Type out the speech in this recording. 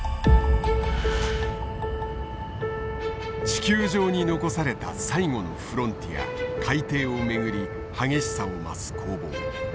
地球上に残された最後のフロンティア海底をめぐり激しさを増す攻防。